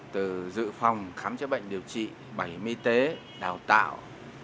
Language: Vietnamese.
từ dự phòng khám chữa bệnh điều trị bảo hiểm y tế đào tạo